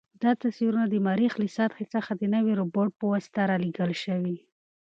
دا تصویرونه د مریخ له سطحې څخه د نوي روبوټ په واسطه رالېږل شوي.